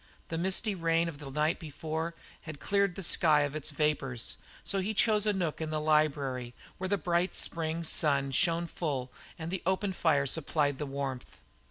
The misty rain of the night before had cleared the sky of its vapours, so he chose a nook in the library where the bright spring sun shone full and the open fire supplied the warmth.